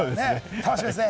楽しみですね。